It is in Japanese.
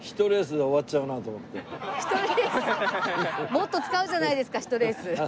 もっと使うじゃないですか１レース。